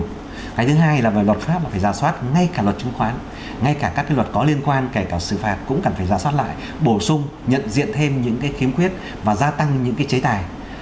cái thứ hai là về luật pháp mà phải giả soát ngay cả luật chứng khoán ngay cả các cái luật có liên quan kể cả xử phạt cũng cần phải giả soát lại bổ sung nhận diện thêm những cái khiếm khuyết và gia tăng những cái chế tài